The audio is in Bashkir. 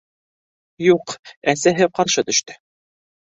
Юҡ, әсәһе ҡаршы төштө.